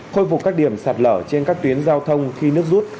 khôi phục các điểm sạt lở trên các tuyến giao thông khi nước rút